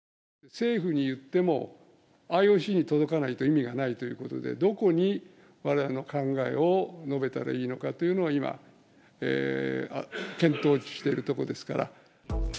政府に言っても、ＩＯＣに届かないと意味がないということで、どこにわれわれの考えを述べたらいいのかというのを今、検討しているところですから。